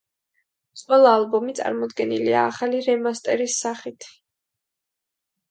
ყველა ალბომი წარმოდგენილია ახალი რემასტერის სახით.